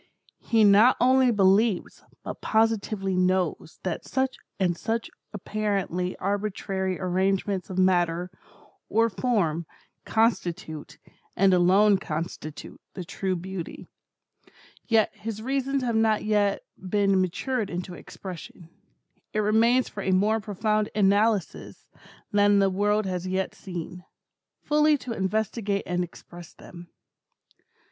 He not only believes, but positively knows, that such and such apparently arbitrary arrangements of matter, or form, constitute, and alone constitute, the true Beauty. Yet his reasons have not yet been matured into expression. It remains for a more profound analysis than the world has yet seen, fully to investigate and express them.